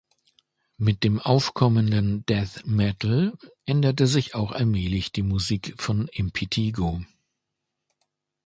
Mit dem aufkommenden Death Metal änderte sich auch allmählich die Musik von Impetigo.